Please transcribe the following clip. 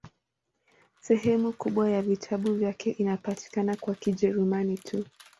Sehemu kubwa ya vitabu vyake inapatikana kwa Kijerumani tu.